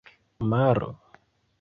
maro